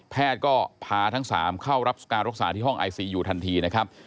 แพทย์ก็พาทั้ง๓เข้ารับการรักษาที่ห้องไอซียูทันทีนะครับ